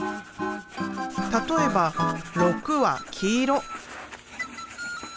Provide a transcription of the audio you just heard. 例えば６は黄色。